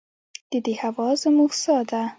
د دې هوا زموږ ساه ده؟